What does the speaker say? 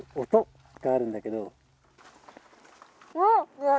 うわ！